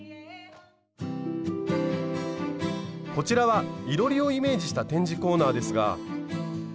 こちらはいろりをイメージした展示コーナーですが。